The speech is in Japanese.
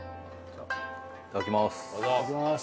いただきます。